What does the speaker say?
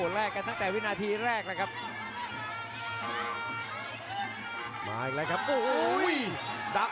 แลกกันตั้งแต่วินาทีแลกนะครับ